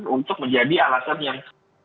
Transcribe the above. untuk menjadi alasan yang